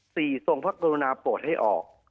สี่ทรงพระกรุณาโปรดให้ออก